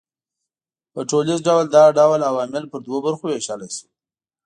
په ټوليز ډول دا ډول عوامل پر دوو برخو وېشلای سو